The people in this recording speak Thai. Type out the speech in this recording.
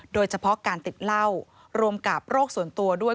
โดยเฉพาะการติดเหล้ารวมกับโรคส่วนตัวด้วย